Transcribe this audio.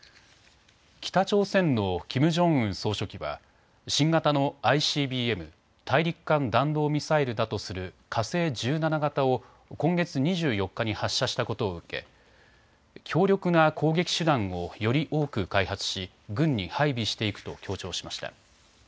北朝鮮のキム・ジョンウン総書記は新型のＩＣＢＭ・大陸間弾道ミサイルだとする火星１７型を今月２４日に発射したことを受け強力な攻撃手段をより多く開発し軍に配備していくと強調しました。